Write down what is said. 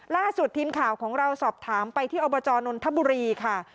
ล่าสุดทีมข่าวของเราสอบถามไปที่อบจนนทบุรีค่ะ